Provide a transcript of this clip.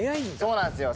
そうなんですよ。